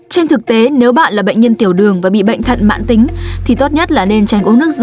trên thực tế nếu bạn là bệnh nhân tiểu đường và bị bệnh thận mạn tính thì tốt nhất là nên tránh uống nước dừ